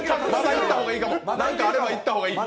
何かあればいった方がいい。